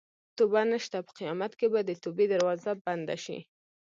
توبه نشته په قیامت کې به د توبې دروازه بنده شي.